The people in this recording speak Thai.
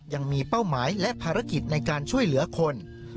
เป้าหมายและภารกิจในการช่วยเหลือคน